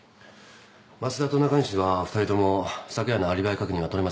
増田と仲西は２人とも昨夜のアリバイ確認は取れませんでした。